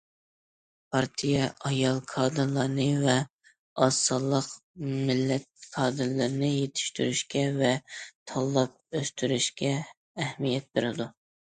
پارتىيە ئايال كادىرلارنى ۋە ئاز سانلىق مىللەت كادىرلىرىنى يېتىشتۈرۈشكە ۋە تاللاپ ئۆستۈرۈشكە ئەھمىيەت بېرىدۇ.